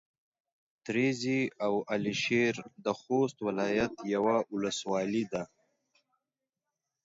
تريزي او على شېر د خوست ولايت يوه ولسوالي ده.